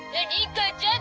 母ちゃん」